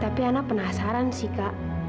tapi anak penasaran sih kak